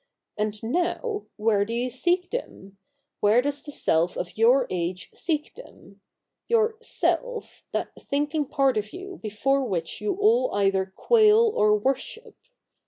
And now, where do you seek them ? Where does the Self of your age seek them — your Self, that thinking part of you before which you all either quail or worship